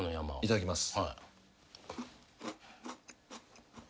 いただきます。